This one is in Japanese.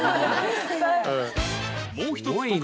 もう一つ